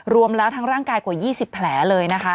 รวมแล้วทั้งร่างกายกว่า๒๐แผลเลยนะคะ